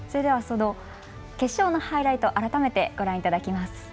その決勝のハイライトを改めて、ご覧いただきます。